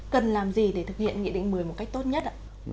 cần làm gì để thực hiện nghị định một mươi một cách tốt nhất ạ